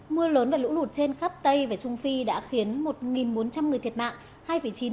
mưa lớn và lũ lụt trên khắp tây và trung phi đã khiến một bốn trăm linh người thiệt mạng